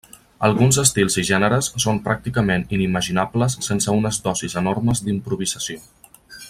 Alguns estils i gèneres són pràcticament inimaginables sense unes dosis enormes d'improvisació.